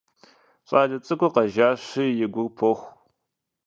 ЩӀалэ цӀыкӀур къэжащи, и гур поху.